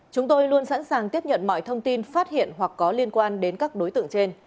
chúng tôi luôn sẵn sàng tiếp nhận mọi thông tin phát hiện hoặc có liên quan đến các đối tượng trên